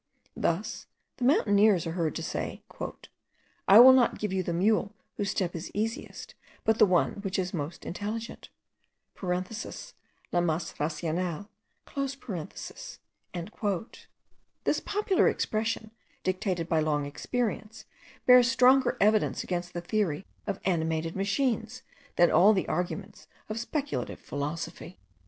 Thus the mountaineers are heard to say, "I will not give you the mule whose step is the easiest, but the one which is most intelligent (la mas racional)." This popular expression, dictated by long experience, bears stronger evidence against the theory of animated machines, than all the arguments of speculative philosophy.